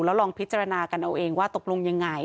แล้วลองพิจารณากันเอาเองว่าตกลงยังไง